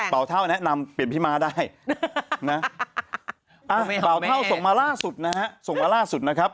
บ่าวเท้าส่งมาล่าสุดนะครับ